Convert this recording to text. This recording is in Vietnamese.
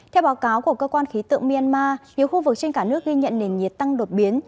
theo báo cáo của cơ quan khí tượng myanmar nhiều khu vực trên cả nước ghi nhận nền nhiệt tăng đột biến